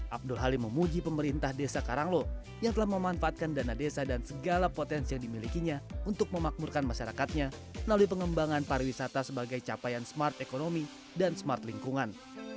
abdul halim memuji pemerintah desa karanglo yang telah memanfaatkan dana desa dan segala potensi yang dimilikinya untuk memakmurkan masyarakatnya melalui pengembangan pariwisata sebagai capaian smart ekonomi dan smart lingkungan